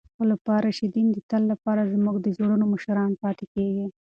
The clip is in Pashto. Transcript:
خلفای راشدین د تل لپاره زموږ د زړونو مشران پاتې کیږي.